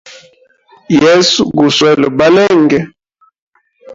Yesu guswele balenge.